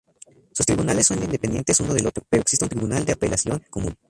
Sus tribunales son independientes uno del otro, pero existe un tribunal de apelación común.